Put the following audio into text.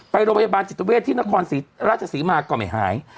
ไปโรงพยาบาลจิตเวทที่นครศรีราชศรีมาก็ไม่หาย